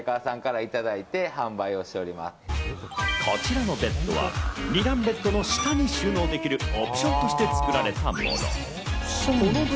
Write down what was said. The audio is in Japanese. こちらのベッドは２段ベッドの下に収納できるオプションとして作られたもの。